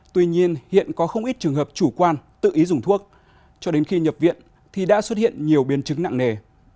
tuy nhiên hiện có không ít trường hợp chủ quan tự ý dùng thuốc cho đến khi nhập viện thì đã xuất hiện nhiều biến chứng nặng nề